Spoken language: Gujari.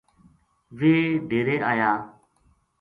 ویہ ڈیرے آیا